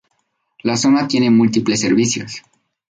La zona tiene múltiples servicios.